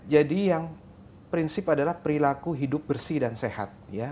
jadi yang prinsip adalah perilaku hidup bersih dan sehat ya